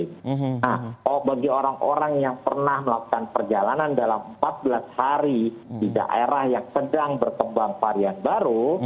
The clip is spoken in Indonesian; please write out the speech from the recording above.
nah bagi orang orang yang pernah melakukan perjalanan dalam empat belas hari di daerah yang sedang berkembang varian baru